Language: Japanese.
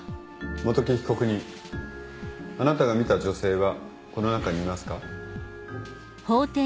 元木被告人あなたが見た女性はこの中にいますか。